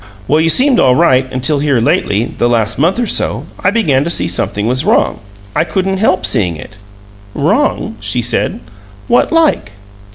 Well, you seemed all right until here lately, the last month or so, I began to see something was wrong. I couldn't help seeing it." "Wrong?" she said. "What like?"